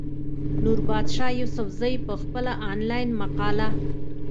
نوربادشاه يوسفزۍ پۀ خپله انلاين مقاله